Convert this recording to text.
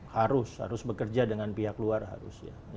harus harus bekerja dengan pihak luar harus ya